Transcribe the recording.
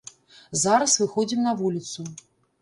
Зараз выходзім на вуліцу.